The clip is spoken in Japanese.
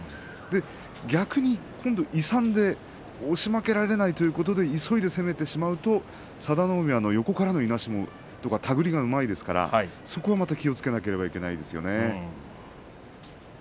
逆に勇んで押し負けられないということで急いで攻めてしまうと佐田の海は横からのいなしや手繰りがうまいですからその辺りも気をつけなきゃいけないですね。